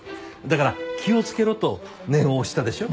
だから気をつけろと念を押したでしょ。